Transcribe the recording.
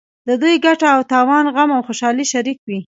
د دوی ګټه او تاوان غم او خوشحالي شریک وي.